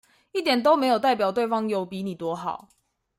一點都沒有代表對方有比你多好